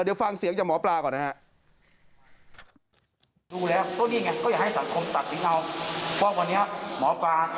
เดี๋ยวฟังเสียงจากหมอปลาก่อนนะครับ